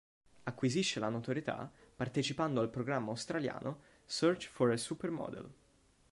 Acquisisce la notorietà partecipando al programma australiano "Search for a Supermodel".